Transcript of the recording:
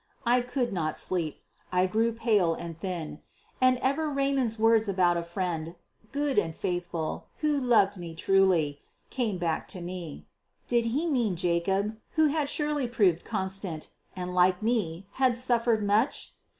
I could not sleep, and grew pale and thin. And ever Raymond's words about a friend, good and faithful, who loved me truly, came back to me. Did he mean Jacob, who had surely proved constant, and like me, had suffered much?